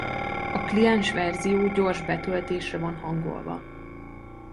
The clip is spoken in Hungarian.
A kliens verzió gyors betöltésre van hangolva.